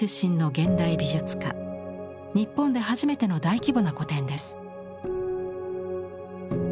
日本で初めての大規模な個展です。